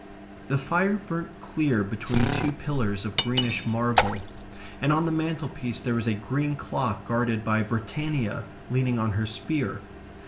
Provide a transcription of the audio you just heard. The fire burnt clear between two pillars of greenish marble, and on the mantelpiece there was a green clock guarded by Britannia leaning on her spear.